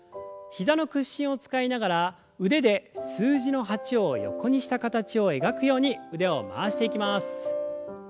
膝の屈伸を使いながら腕で数字の８を横にした形を描くように腕を回していきます。